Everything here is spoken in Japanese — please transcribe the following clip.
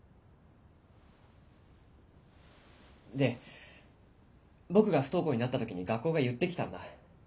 ・で僕が不登校になった時に学校が言ってきたんだ。